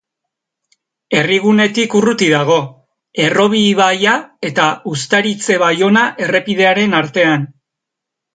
Herrigunetik urruti dago, Errobi ibaia eta Uztaritze-Baiona errepidearen artean.